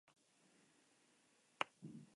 Hablan á mil Naciones,